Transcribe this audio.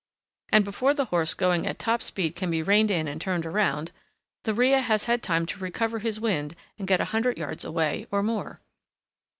And before the horse going at top speed can be reined in and turned round, the rhea has had time to recover his wind and get a hundred yards away or more.